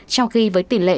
trong khi với tỉ lệ